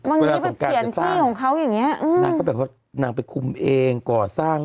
เวลาสนการจะฟังนางก็แบบว่านางไปคุมเองก่อสร้างเอง